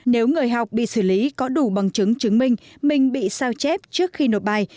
nếu người học bị xử lý có đủ bằng chứng chứng minh mình bị sao chép trước khi nộp bài